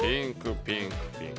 ピンク、ピンク。